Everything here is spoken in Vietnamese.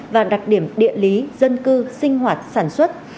và đặc điểm địa lý dân cư sinh hoạt sản xuất